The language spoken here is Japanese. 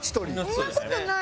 そんな事ない。